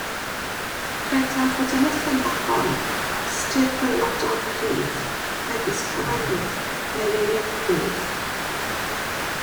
Credaf fod yn y thema hon ystyr gwaelodol cryf megis llawenydd neu euogrwydd.